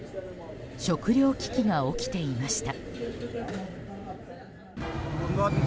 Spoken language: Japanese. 食料危機が起きていました。